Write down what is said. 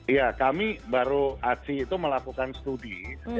iya kami baru aksi itu melakukan studi